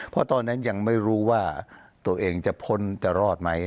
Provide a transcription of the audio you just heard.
เพราะตอนนั้นยังไม่รู้ว่าตัวเองจะพ้นจะรอดไหม